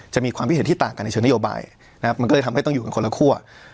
จะมีความคิดเห็นที่ต่างกันในเชิงนโยบายนะครับมันก็เลยทำให้ต้องอยู่กันคนละคั่ว